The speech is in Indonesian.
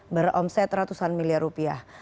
beromset ratusan miliar rupiah